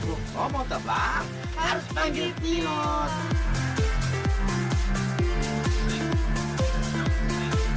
oh mau terbang harus panggil t mobile